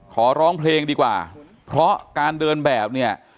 ขอร้องเพลงดีกว่าเพราะการเดินแบบเนี่ย